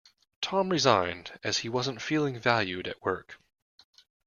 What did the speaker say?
Tom resigned, as he wasn't feeling valued at work.